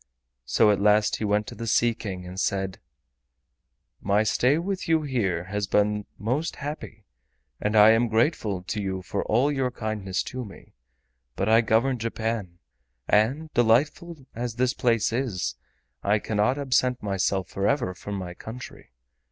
So at last he went to the Sea King and said: "My stay with you here has been most happy and I am very grateful to you for all your kindness to me, but I govern Japan, and, delightful as this place is, I cannot absent myself forever from my country.